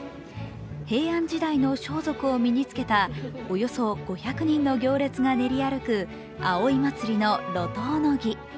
平安時代の装束を身につけたおよそ５００人の行列が練り歩く葵祭の路頭の儀。